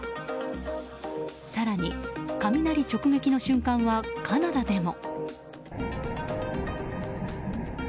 更に、雷直撃の瞬間はカナダでも。